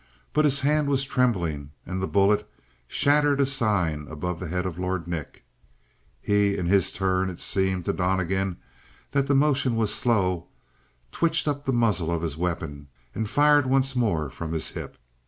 But his hand was trembling, and the bullet shattered a sign above the head of Lord Nick. He, in his turn, it seemed to Donnegan that the motion was slow, twitched up the muzzle of his weapon and fired once more from his hip.